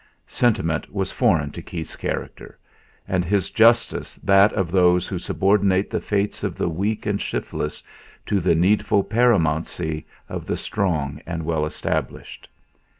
Sentiment was foreign to Keith's character, and his justice that of those who subordinate the fates of the weak and shiftless to the needful paramountcy of the strong and well established.